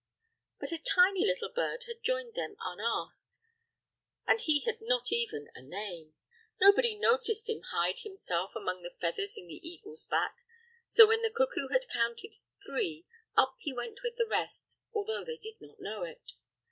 But a tiny little bird had joined them unasked, and he had not even a name. Nobody noticed him hide himself among the feathers in the eagle's back; so when the cuckoo had counted three, up he went with the rest, although they did not know it.